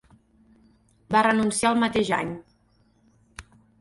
Va renunciar el mateix any.